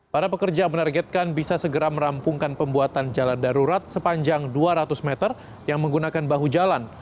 para pekerja menargetkan bisa segera merampungkan pembuatan jalan darurat sepanjang dua ratus meter yang menggunakan bahu jalan